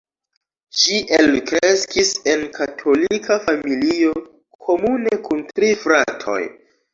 Ŝi elkreskis en katolika familio komune kun tri fratoj.